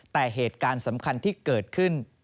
แต่เหตุการณ์สำคัญที่เกิดขึ้น